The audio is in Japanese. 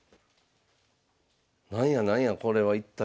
なんやなんやこれは一体。